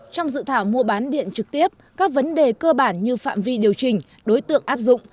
trong dự thảo mua bán điện trực tiếp các vấn đề cơ bản như phạm vi điều chỉnh đối tượng áp dụng